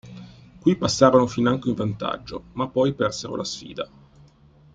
Qui passarono financo in vantaggio, ma poi persero la sfida.